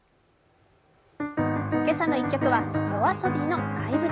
「けさの１曲」はＹＯＡＳＯＢＩの「怪物」。